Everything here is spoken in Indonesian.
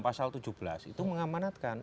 pasal tujuh belas itu mengamanatkan